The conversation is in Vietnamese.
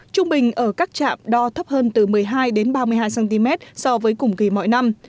trung bình ở các trạm đo thấp hơn từ một mươi hai ba mươi hai cm so với cùng kỳ mọi năm